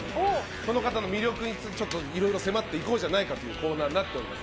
その方の魅力に、いろいろ迫っていこうじゃないかというコーナーになっております。